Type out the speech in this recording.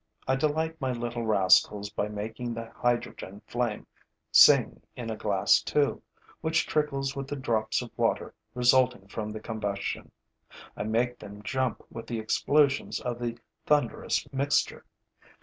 I delight my little rascals by making the hydrogen flame sing in a glass tube, which trickles with the drops of water resulting from the combustion; I make them jump with the explosions of the thunderous mixture.